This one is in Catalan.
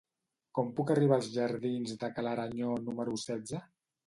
Com puc arribar als jardins de Ca l'Aranyó número setze?